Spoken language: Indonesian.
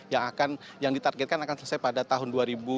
yang akan yang ditargetkan akan selesai pada tahun dua ribu dua puluh satu